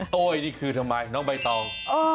โต้ยนี่คือทำไมน้องใบตอง